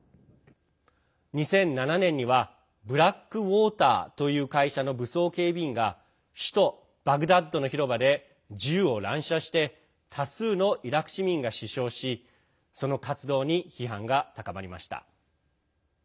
２００７年にはブラック・ウォーターという会社の武装警備員が首都バグダッドの広場で銃を乱射して多数のイラク市民が死傷しその活動に批判が高まりました。